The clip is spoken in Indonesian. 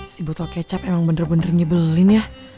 si botol kecap emang bener bener nyebelin ya